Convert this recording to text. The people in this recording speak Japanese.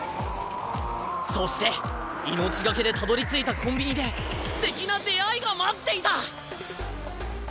そして命懸けでたどりついたコンビニですてきな出会いが待っていた！